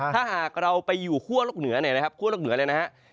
ถ้าหากเราไปอยู่คั่วโลกเหนือเนี่ยนะครับคั่วโลกเหนือเลยนะครับ